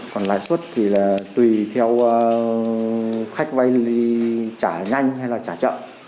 còn lãi suất thì là tùy theo khách vay trả nhanh hay là trả chậm